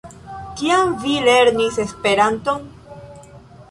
Kiam vi lernis Esperanton?